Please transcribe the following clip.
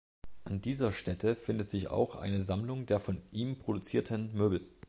An dieser Stätte findet sich auch eine Sammlung der von ihm produzierten Möbel.